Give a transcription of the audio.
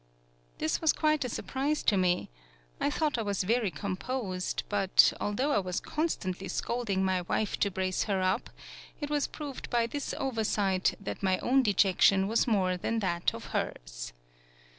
This was quite a surprise to me. I thought I was very composed, But, al though I was constantly scolding my wife to brace her up, it was proved by this oversight that my own dejection was more than that of hers.